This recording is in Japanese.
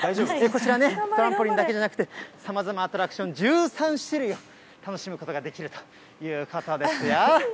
こちらね、トランポリンだけじゃなく、さまざまアトラクション、１３種類楽しむことができるということですよ。